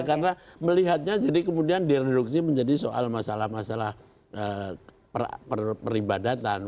karena melihatnya jadi kemudian direduksi menjadi soal masalah masalah peribadatan